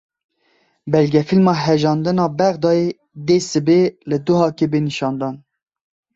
Belgefîlma Hejandina Bexdayê dê sibê li Duhokê bê nîşandan.